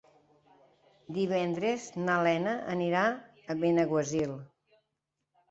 Divendres na Lena anirà a Benaguasil.